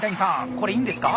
これいいんですか？